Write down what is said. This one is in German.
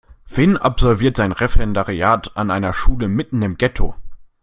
Finn absolviert sein Referendariat an einer Schule mitten im Getto.